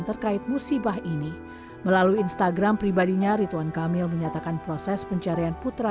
terkait musibah ini melalui instagram pribadinya rituan kamil menyatakan proses pencarian putra